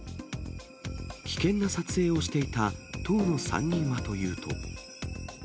危険な撮影をしていた当の３人はというと。